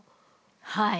はい。